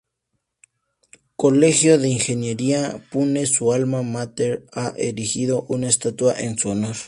Colegio de Ingeniería, Pune, su alma mater, ha erigido una estatua en su honor.